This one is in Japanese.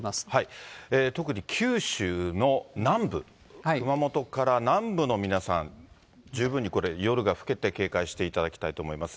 特に九州の南部、熊本から南部の皆さん、十分にこれ、夜がふけて警戒していただきたいと思います。